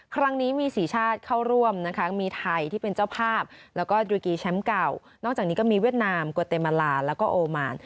ครั้งนี้มี๔ชาติเข้าร่วมนะคะมีไทยที่เป็นเจ้าภาพแล้วก็